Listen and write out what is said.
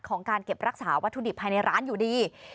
การเก็บรักษาวัตถุดิบภายในร้านอยู่ดี